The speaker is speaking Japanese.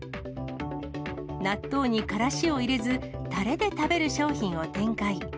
納豆にカラシを入れず、たれで食べる商品を展開。